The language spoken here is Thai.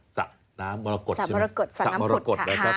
สัตว์น้ำมรกฏใช่ไหมคะสัตว์มรกฏสัตว์น้ำผุดค่ะค่ะ